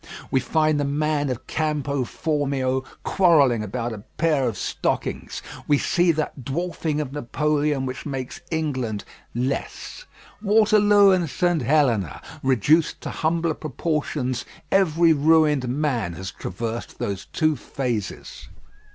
We find the man of Campo Formio quarrelling about a pair of stockings; we see that dwarfing of Napoleon which makes England less. Waterloo and St. Helena! Reduced to humbler proportions, every ruined man has traversed those two phases.